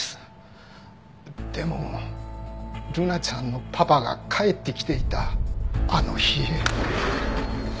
でもルナちゃんのパパが帰ってきていたあの日。